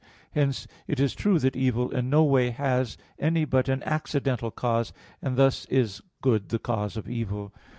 Hence it is true that evil in no way has any but an accidental cause; and thus is good the cause of evil.